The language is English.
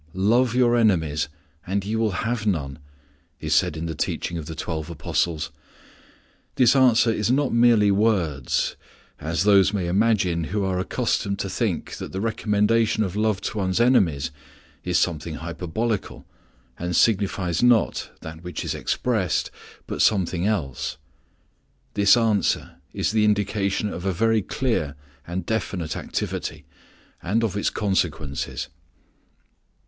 "Love your enemies, and ye will have none," is said in the teaching of the Twelve Apostles. This answer is not merely words, as those may imagine who are accustomed to think that the recommendation of love to one's enemies is something hyperbolical, and signifies not that which expressed, but something else. This answer is the indication of a very clear and definite activity, and of its consequences.